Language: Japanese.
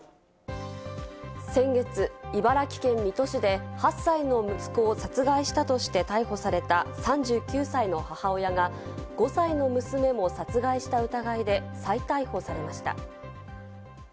先月、茨城県水戸市で８歳の息子を殺害したとして逮捕された３９歳の母親が５歳の娘も殺害した疑いで再逮捕されました。